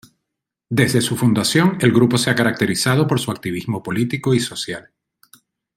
Desde su fundación el grupo se ha caracterizado por su activismo político y social.